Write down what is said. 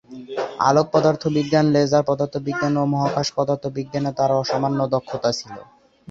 আলোক পদার্থবিজ্ঞান, লেজার পদার্থবিজ্ঞান ও মহাকাশ পদার্থবিজ্ঞানে তাঁর অসামান্য দক্ষতা ছিল।